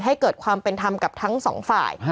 ให้เกิดความเป็นธรรมกับทั้งสองฝ่าย